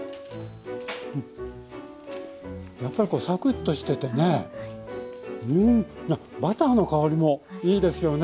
うんやっぱりサクッとしててねうんあっバターの香りもいいですよね。